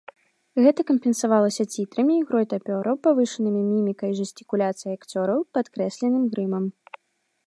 Гэта кампенсавалася цітрамі, ігрой тапёраў, павышанымі мімікай і жэстыкуляцыяй акцёраў, падкрэсленым грымам.